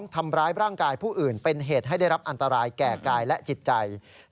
ทำร้ายร่างกายผู้อื่นเป็นเหตุให้ได้รับอันตรายแก่กายและจิตใจ